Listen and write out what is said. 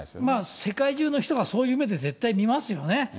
まあ、世界中の人がそういう目で絶対見ますよね。